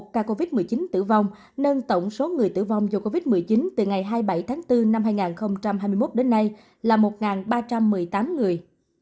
ca covid một mươi chín tử vong nâng tổng số người tử vong do covid một mươi chín từ ngày hai mươi bảy tháng bốn năm hai nghìn hai mươi một đến nay là một ba trăm một mươi tám người